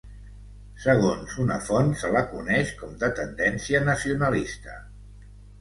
Segons una font, se la coneix com de tendència nacionalista.